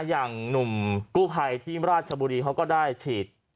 อย่างหนุ่มกู้ภัยที่ราชบุรีเขาก็ได้ฉีด